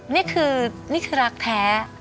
นี่คือนี่คือรักแท้